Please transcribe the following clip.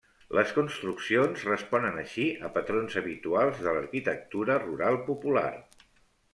Les construccions responen així a patrons habituals de l'arquitectura rural popular.